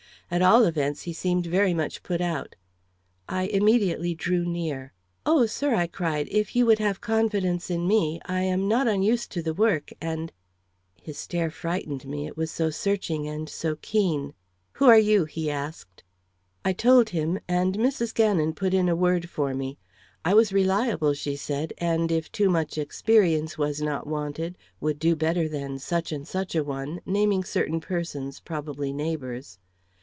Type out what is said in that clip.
At all events, he seemed very much put out. I immediately drew near. "Oh, sir," I cried, "if you would have confidence in me. I am not unused to the work, and " His stare frightened me, it was so searching and so keen. "Who are you?" he asked. I told him, and Mrs. Gannon put in a word for me. I was reliable, she said, and if too much experience was not wanted, would do better than such and such a one naming certain persons, probably neighbors.